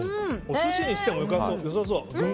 お寿司にしても良さそう。